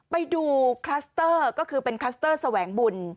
ไปดูคลัสเตอร์ก็คือเป็นคลัสเตอร์แสวงบุญ